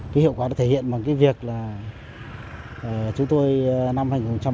cái hiệu quả đã thể hiện bằng cái việc là chúng tôi năm hai nghìn một mươi